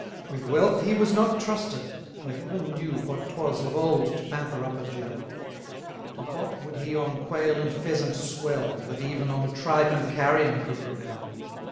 With wealth he was not trusted, for Heaven knew 470 What 'twas of old to pamper up a Jew; To what would he on quail and pheasant swell, That even on tripe and carrion could rebel?